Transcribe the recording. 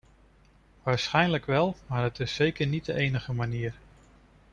Waarschijnlijk wel, maar het is zeker niet de enige manier.